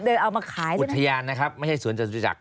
เดินเอามาขาย